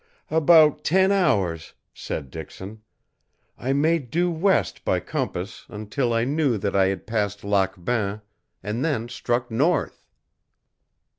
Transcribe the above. "About ten hours," said Dixon. "I made due west by compass until I knew that I had passed Lac Bain, and then struck north."